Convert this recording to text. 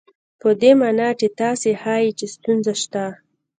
په دې مانا چې تاسې ښيئ چې ستونزه شته.